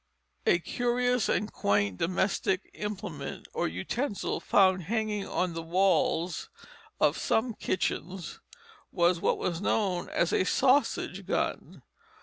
A curious and quaint domestic implement or utensil found hanging on the walls of some kitchens was what was known as a sausage gun.